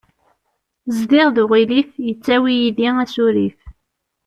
Zdiɣ d uɣilif, yettawi yid-i asurif.